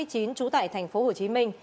một nghìn chín trăm tám mươi chín trú tại tp hcm